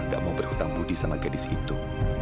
gak mau berhutang budi sama gadis itu